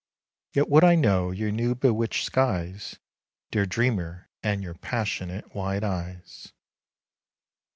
Yet would I know your new bewitched skies, Dear dreamer, and your passionate, wide eyes.